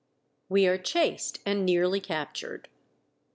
WE ARE CHASED AND NEARLY CAPTURED.